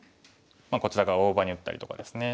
こちら側大場に打ったりとかですね。